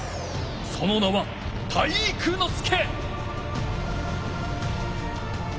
その名は体育ノ介。